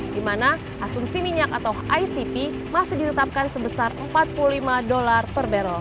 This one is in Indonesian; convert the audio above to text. di mana asumsi minyak atau icp masih ditetapkan sebesar empat puluh lima dolar per barrel